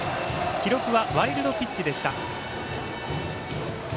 記録はワイルドピッチでした。